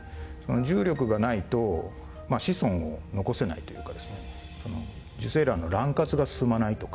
重力がないとまあ子孫を残せないというかですね受精卵の卵割が進まないとか。